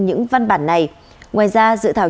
những văn bản này ngoài ra dự thảo